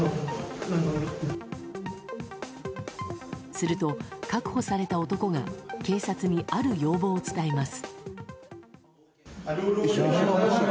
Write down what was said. すると、確保された男が警察にある要望を伝えます。